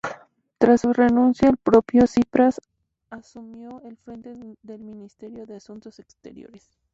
Tras su renuncia, el propio Tsipras asumió al frente del ministerio de Asuntos Exteriores.